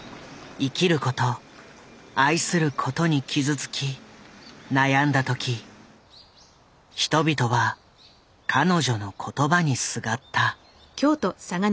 生きること愛することに傷つき悩んだ時人々は彼女の言葉にすがった。